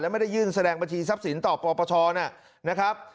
ไม่ได้ยื่นแสดงบัญชีทรัพย์สินต่อปปชนะครับ